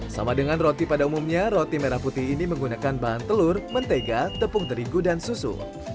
sama dengan roti pada umumnya roti merah putih ini menggunakan bahan telur mentega tepung terigu dan susu